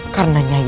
karena nyai dahayu